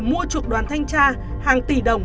mua chuộc đoàn thanh tra hàng tỷ đồng